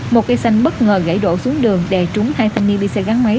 một cây xanh bất ngờ gãy đổ xuống đường đè trúng hai thanh niên đi xe gắn máy